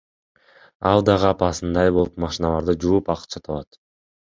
Ал дагы апасындай болуп машиналарды жууп ачка табат.